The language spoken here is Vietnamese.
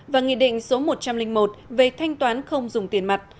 và nghị định số một trăm linh một về thanh toán không dùng tiền mặt